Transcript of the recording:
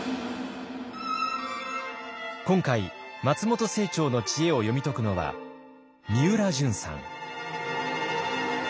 今回松本清張の知恵を読み解くのはみうらじゅんさん。